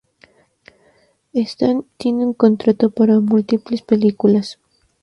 Stan tiene un contrato para múltiples películas.